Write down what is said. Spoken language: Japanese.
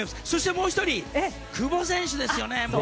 そしてもう１人、久保選手です。